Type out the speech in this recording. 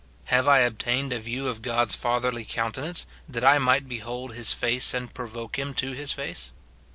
Have I obtained a view of God's fatherly countenance, that I might behold his face and provoke him to his face